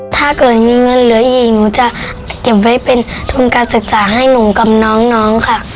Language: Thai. ถ้าเกิดมีเงินเหลืออีกหนูจะเก็บไว้เป็นทุนการศึกษาให้หนูกับน้องค่ะ